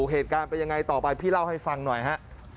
เหตุการณ์เป็นยังไงต่อไปพี่เล่าให้ฟังหน่อยฮะ